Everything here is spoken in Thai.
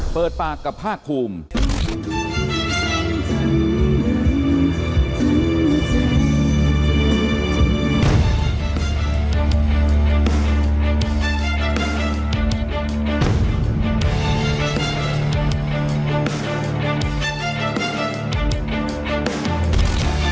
เปิดปากกับภาคภูมิ